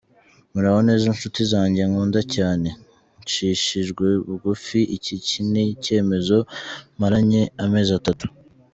Muraho neza Nshuti zanjye nkunda cyane, nshishijwe bugufi, iki ni icyemezo maranye amezi atatu.